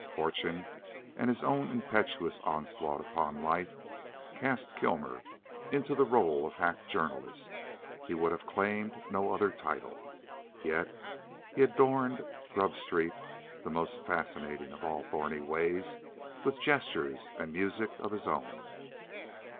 Fortune and his own impetuous onslaught upon life cast Kilmer into the rôle of hack journalist: he would have claimed no other title. Yet he adorned Grub Street (that most fascinating of all thorny ways) with gestures and music of his own.